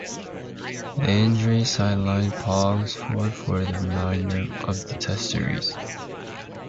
The injury sidelined Ponsford for the remainder of the Test series.